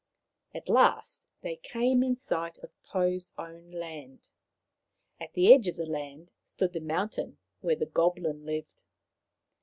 At last they came in sight of Pou's own land. At the edge of the land stood the mountain where the goblin lived.